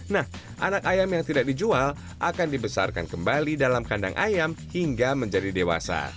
nah anak ayam yang tidak dijual akan dibesarkan kembali dalam kandang ayam hingga menjadi dewasa